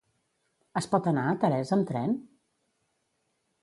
Es pot anar a Teresa amb tren?